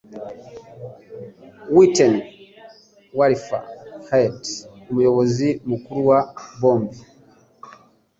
Whitney Wolfe Herd, Umuyobozi mukuru wa Bumble